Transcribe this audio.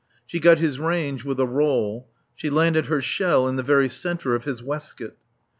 She got his range with a roll. She landed her shell in the very centre of his waistcoat.